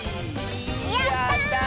やった！